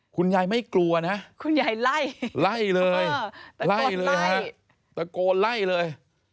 คุณยายไม่กลัวนะคุณยายไล่ไล่เลยไล่เลยฮะตะโกนไล่เลย